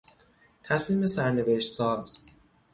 تصمیم سرنوشت ساز